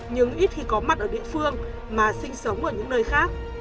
nhưng ít khi có mặt ở địa phương mà sinh sống ở những nơi khác